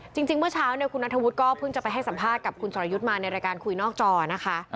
จริงเมื่อเช้าคุณนัทธวุฒิก็เพิ่งจะไปให้สัมภาษณ์กับคุณสรยุทธ์มาในรายการคุยนอกจอนะคะ